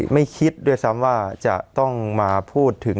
ไม่คิดด้วยซ้ำว่าจะต้องมาพูดถึง